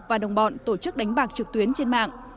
và đồng bọn tổ chức đánh bạc trực tuyến trên mạng